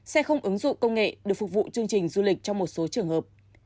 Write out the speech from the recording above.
xe không ứng dụng công nghệ được phục vụ chương trình du lịch trong một số trường hợp